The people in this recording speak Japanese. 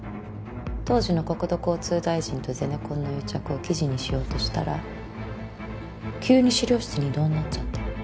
当時の国土交通大臣とゼネコンの癒着を記事にしようとしたら急に資料室に異動になっちゃって。